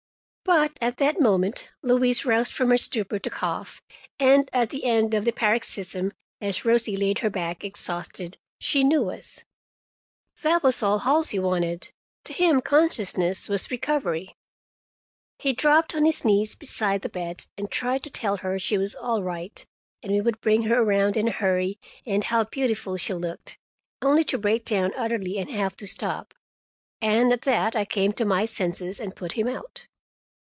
But at that moment Louise roused from her stupor to cough, and at the end of the paroxysm, as Rosie laid her back, exhausted, she knew us. That was all Halsey wanted; to him consciousness was recovery. He dropped on his knees beside the bed, and tried to tell her she was all right, and we would bring her around in a hurry, and how beautiful she looked—only to break down utterly and have to stop. And at that I came to my senses, and put him out.